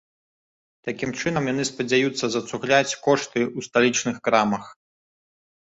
Такім чынам яны спадзяюцца зацугляць кошты ў сталічных крамах.